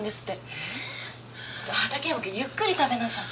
畑山君ゆっくり食べなさい。